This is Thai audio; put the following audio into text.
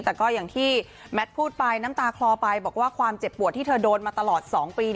แต่ก็อย่างที่แมทพูดไปน้ำตาคลอไปบอกว่าความเจ็บปวดที่เธอโดนมาตลอด๒ปี